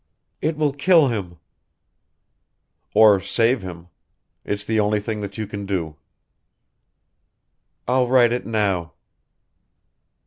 "It will kill him...." "Or save him. It's the only thing that you can do." "I'll write it now."